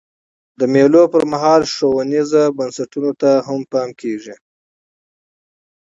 د مېلو پر مهال ښوونیزو بنسټونو ته هم پام کېږي.